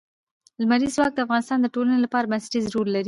لمریز ځواک د افغانستان د ټولنې لپاره بنسټيز رول لري.